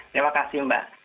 terima kasih mbak